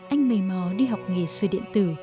anh mê mò đi học nghề sư điện tử